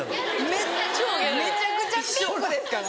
めちゃくちゃピンクですから。